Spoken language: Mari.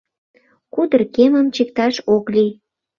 Кудыр кемым чикташ ок лий.